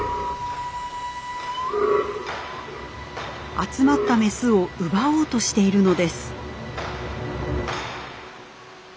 集まったメスを奪おうとしているのです。